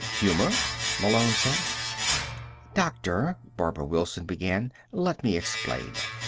"Humor?" Malone said. "Doctor," Barbara Wilson began, "let me explain.